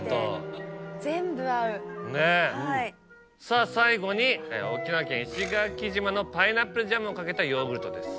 さぁ最後に沖縄県石垣島のパイナップルジャムをかけたヨーグルトです。